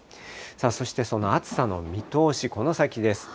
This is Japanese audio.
そしてその暑さの見通し、この先です。